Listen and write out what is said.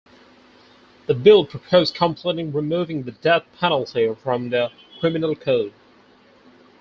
The bill proposed completing removing the death penalty from the Criminal Code.